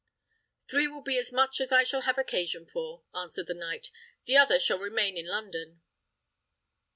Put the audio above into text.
"Three will be as much as I shall have occasion for," answered the knight; "the other shall remain in London."